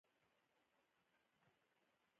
د ستوري اواز د دوی زړونه ارامه او خوښ کړل.